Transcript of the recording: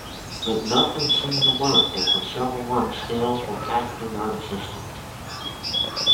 But nothing seemed to work, and for several months sales were practically non-existent.